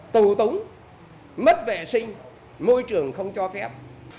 tù tống mất vệ sinh môi trường không cho phép